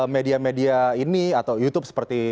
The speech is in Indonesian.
media media ini atau youtube seperti